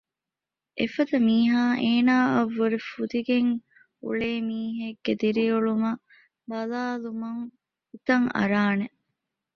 އެފަދަ މީހާ އޭނާއަށްވުރެ ފުދިގެން އުޅޭ މީހެއްގެ ދިރިއުޅުމަށް ބަލާލުމުން ހިތަށް އަރާނެ